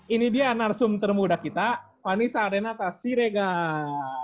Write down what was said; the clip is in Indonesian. ini dia narsum termuda kita vanisa renata siregan